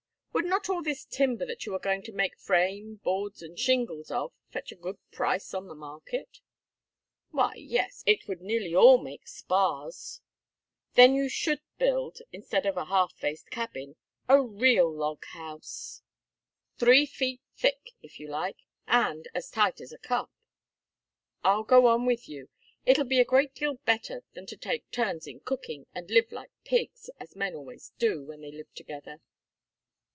"Would not all this timber that you are going to make frame, boards, and shingles of, fetch a good price in the market?" "Why, yes, it would nearly all make spars." "Then you should build, instead of a half faced cabin, a real log house, 'three feet thick,' if you like, and 'as tight as a cup.' I'll go on with you; it'll be a great deal better than to take turns in cooking, and live like pigs, as men always do when they live together.